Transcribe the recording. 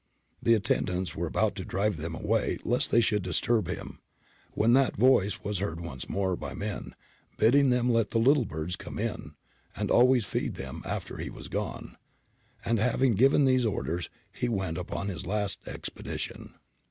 The attendants were about to drive them away lest they should disturb him, when that voice was heard once more by men, bidding them let the little birds come in, and always feed them 294 GARIBALDI AND THE MAKING OF ITALY after he was gone. And having given these orders, he went upon his last expedition.